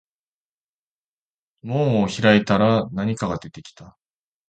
門を開いたら何か出てきた